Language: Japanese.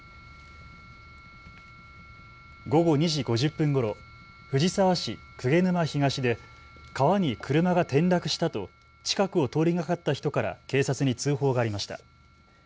午後２時５０分ごろ藤沢市鵠沼東で川に車が転落したと近くを通りがかった人から警察に通報がありました。